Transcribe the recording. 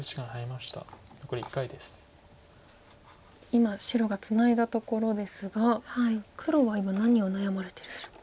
今白がツナいだところですが黒は今何を悩まれてるんでしょうか。